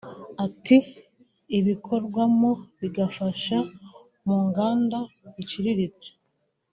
Ati “Ibikorwamo bifasha mu nganda ziciritse